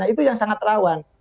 itu yang sangat rawan